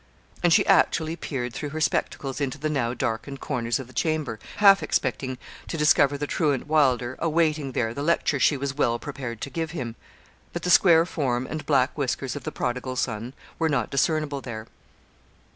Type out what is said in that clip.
And she actually peered through her spectacles into the now darkened corners of the chamber, half expecting to discover the truant Wylder awaiting there the lecture she was well prepared to give him; but the square form and black whiskers of the prodigal son were not discernible there.